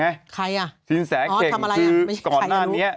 ใครอ่ะทำอะไรอ่ะใครจะรู้สินแสเข่งคือก่อนหน้านี้